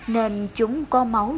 nên chúng có màu đẹp